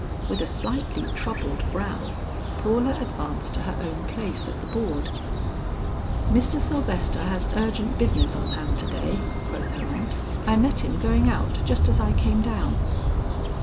With a slightly troubled brow, Paula advanced to her own place at the board. "Mr. Sylvester has urgent business on hand to day," quoth her aunt. "I met him going out just as I came down."